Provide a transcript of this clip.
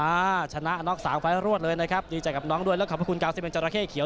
อ่าชนะน็อกสามไฟล์รวดเลยนะครับดีใจกับน้องด้วยแล้วขอบคุณกาวซิเมนจราเข้เขียว